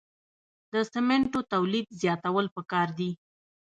د سمنټو تولید زیاتول پکار دي